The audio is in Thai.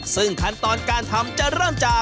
ซึ่งขั้นตอนการทำจะเริ่มจาก